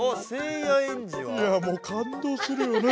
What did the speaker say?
いやもう感動するよね。